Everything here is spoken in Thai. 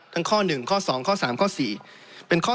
ทั้งข้อทาง๑ข้อ๒ข้อ๓ข้อ๔